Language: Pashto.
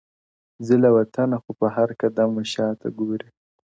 ځي له وطنه خو په هر قدم و شاته ګوري.